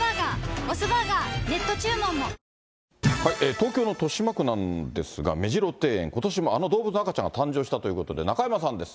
東京の豊島区なんですが、目白庭園、ことしもあの動物の赤ちゃんが誕生したということで、中山さんです。